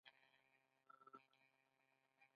د پښې د پورته کېدو غوښتنه یې ترې وکړه.